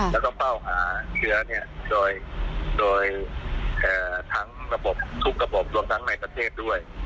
แล้วก็เฝ้าหาเชื้อโดยทั้งระบบทุกระบบรวมทั้งในประเทศด้วย